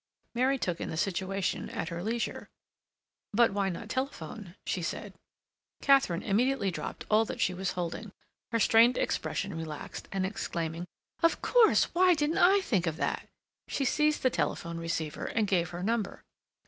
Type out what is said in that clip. Mary took in the situation at her leisure. "But why not telephone?" she said. Katharine immediately dropped all that she was holding; her strained expression relaxed, and exclaiming, "Of course! Why didn't I think of that!" she seized the telephone receiver and gave her number.